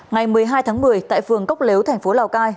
ngày một mươi hai tháng một mươi tại phường cốc lếu tp lào cai